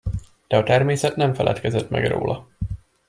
De a természet nem feledkezett meg róla.